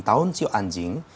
tahu siu anjing